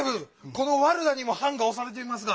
このワルダにもはんがおされていますが。